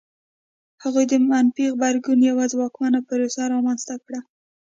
هغوی د منفي غبرګون یوه ځواکمنه پروسه رامنځته کړه.